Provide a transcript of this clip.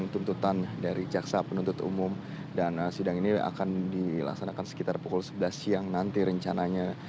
tuntutan dari jaksa penuntut umum dan sidang ini akan dilaksanakan sekitar pukul sebelas siang nanti rencananya